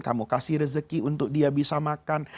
kamu kasih rezeki untuk dia bisa makan